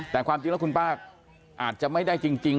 แต่ความจริงแล้วคุณป้าอาจจะไม่ได้จริง